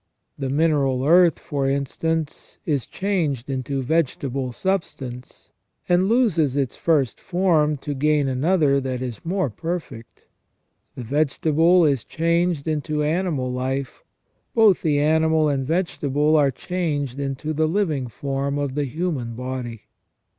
The mineral earth, for instance, is changed into vegetable substance, and loses its first form to gain another that is more perfect; the vegetable is changed into animal life; both the animal and vegetable are changed into the living form of the human body.